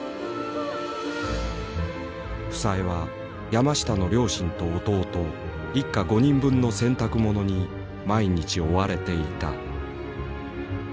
房江は山下の両親と弟一家５人分の洗濯物に毎日追われていた。